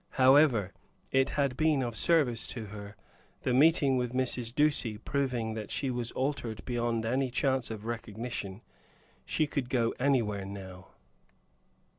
However, it had been of service to her, the meeting with Mrs. Ducie proving that she was altered beyond chance of recognition. She could go anywhere now.